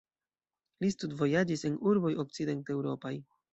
Li studvojaĝis en urboj okcidenteŭropaj.